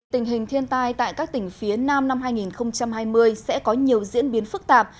tình hình thiên tai tại các tỉnh phía nam năm hai nghìn hai mươi sẽ có nhiều diễn biến phức tạp